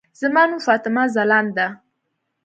زما نوم فاطمه ځلاند ده.